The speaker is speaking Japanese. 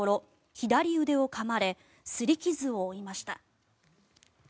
左腕をかまれすり傷を負いました。